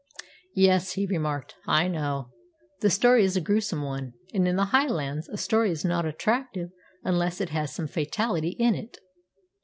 "Yes," he remarked, "I know. The story is a gruesome one, and in the Highlands a story is not attractive unless it has some fatality in it.